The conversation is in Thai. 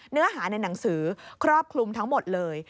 เนื้อหาในหนังสือครอบคลุมทั้งหมดเลย